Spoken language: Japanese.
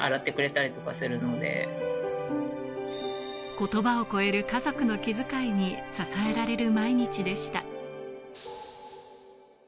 言葉を超える家族の気づかいに支えられる毎日でした。